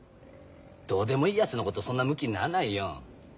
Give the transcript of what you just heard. どうでもいいやつのことそんなむきにならないよ。